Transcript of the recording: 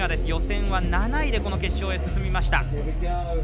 予選は７位で決勝へ進みました。